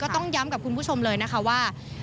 ต้องย้ำกับคุณผู้ชมเลยนะคะว่า